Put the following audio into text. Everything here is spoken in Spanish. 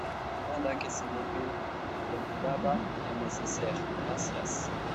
nada, que se me olvidaba el neceser. gracias .